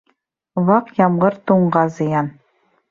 Ваҡ ямғыр туңға зыян.